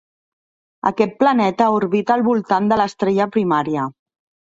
Aquest planeta orbita al voltant de l'estrella primària.